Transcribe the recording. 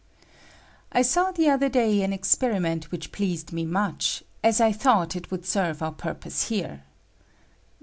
I saw the other day an experiment which pleased me much, as I thought it would serve our purpose here.